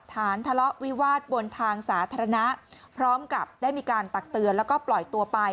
ฐานทะเลาะวิวาสบนทางสาธารณะพร้อมกับได้มีการตักเตือนแล้วก็ปล่อยตัวไป